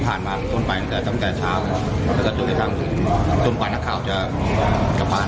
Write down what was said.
เผามาต้นไปแต่ตั้งแต่เช้าแล้วก็เสร็จจนไปต้นไปนักข่าวจะก็พัน